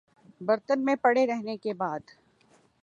برتن میں پڑے رہنے کے بعد